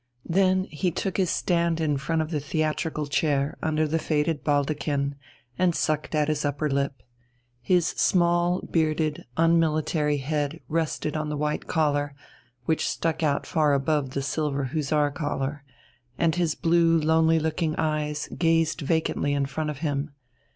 Then he took his stand in front of the theatrical chair under the faded baldachin, and sucked at his upper lip. His small, bearded, unmilitary head rested on the white collar, which stuck out far above the silver hussar collar, and his blue, lonely looking eyes gazed vacantly in front of him.